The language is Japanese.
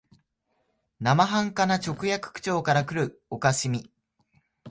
生半可な直訳口調からくる可笑しみ、